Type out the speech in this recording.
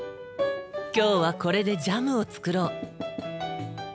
今日はこれでジャムを作ろう。